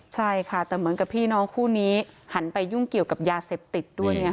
ใช่ค่ะแต่เหมือนกับพี่น้องคู่นี้หันไปยุ่งเกี่ยวกับยาเสพติดด้วยไง